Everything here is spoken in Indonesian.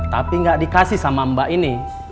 tapi nggak dikasih sama mbak ini